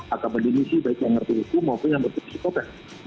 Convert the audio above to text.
akabat ini sih baik yang ngerti hukum maupun yang ngerti kota